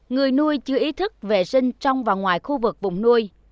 người nuôi chưa ý thức vệ sinh trong và ngoài khu vực vùng nuôi